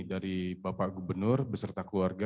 dari bapak gubernur beserta keluarga